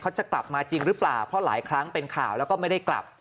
จะกลับมาจริงหรือเปล่าเพราะหลายครั้งเป็นข่าวแล้วก็ไม่ได้กลับ